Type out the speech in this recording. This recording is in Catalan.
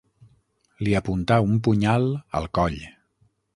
Li apuntà un punyal al coll.